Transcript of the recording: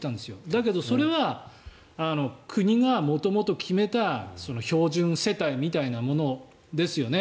だけど、それは国が元々決めた標準世帯みたいなものですよね。